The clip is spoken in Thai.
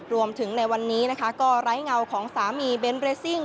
รวมถึงในวันนี้ก็ไร้เงาของสามีเบนเบรสซิ่ง